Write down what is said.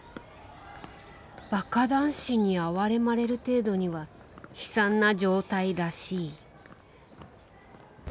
バカ男子に哀れまれる程度には悲惨な状態らしい。